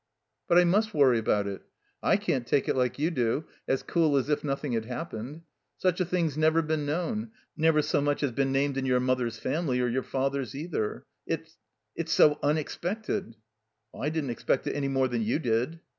"But I must worry about it. I can't take it like you do, as cool as if nothing had happened. Such a thing's never been known, never so much as been named in your mother's family, or your father's, either. It's — it's so tmexpected." "I didn't expect it any more than you did."